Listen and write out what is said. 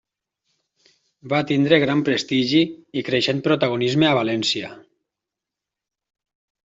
Va tindre gran prestigi i creixent protagonisme a València.